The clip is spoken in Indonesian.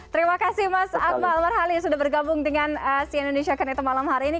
terima kasih mas ahmad almarhali sudah bergabung dengan si indonesia konektor malam hari ini